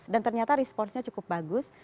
dan ternyata responnya cukup bagus